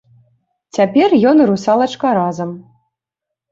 Цяпер ён і русалачка разам.